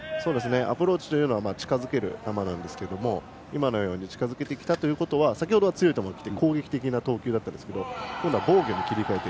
アプローチは近づける球なんですが近づけてきたということは先ほどは強い球で攻撃的な投球だったんですけど今度は防御に切り替えた。